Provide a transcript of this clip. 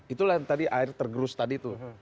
itu tadi air tergerus tadi itu